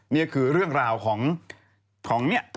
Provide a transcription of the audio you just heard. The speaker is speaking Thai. นี่คือเรื่องราวของเนี่ย